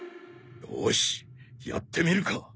よーしやってみるか！